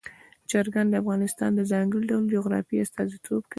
چرګان د افغانستان د ځانګړي ډول جغرافیه استازیتوب کوي.